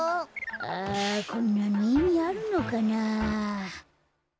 あこんなのいみあるのかな？